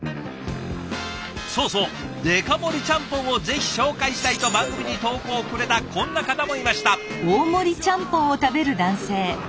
そうそう「デカ盛りちゃんぽんをぜひ紹介したい」と番組に投稿をくれたこんな方もいました。